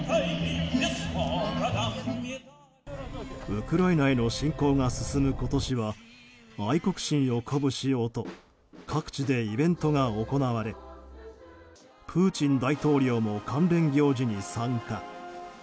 ウクライナへの侵攻が進む今年は愛国心を鼓舞しようと各地でイベントが行われプーチン大統領も関連行事に参加。